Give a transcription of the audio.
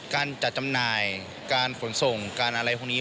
การจัดจำหน่ายการขนส่งการอะไรพวกนี้